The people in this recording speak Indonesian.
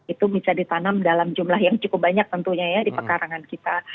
itu bisa ditanam dalam jumlah yang cukup banyak tentunya ya di pekarangan kita